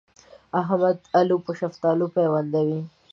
احمد الو په شفتالو پيوندوي.